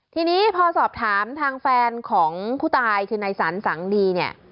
ทีนี้พอสอบถามทางแฟนของผู้ตายคือนายสันสังดีเนี่ย